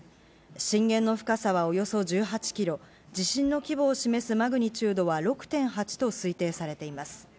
震源の深さはおよそ１８キロ、地震の規模を示すマグニチュードは６．８と推定されています。